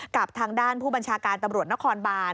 กับทางด้านผู้บัญชาการตำรวจนครบาน